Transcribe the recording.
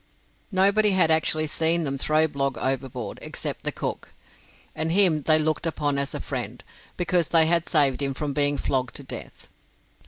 Nobody had actually seen them throw Blogg overboard except the cook, and him they looked upon as a friend, because they had saved him from being flogged to death.